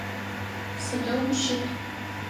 Сыдэу ущыт?